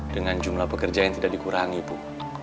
dengan jumlah pekerja yang tidak dikurangi ibu